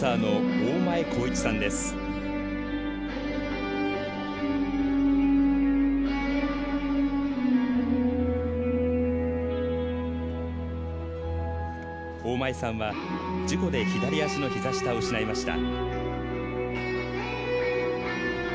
大前さんは事故で左足のひざ下を失いました。